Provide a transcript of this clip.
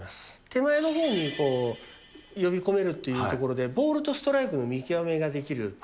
手前のほうに呼び込めるということで、ボールとストライクの見極めができる。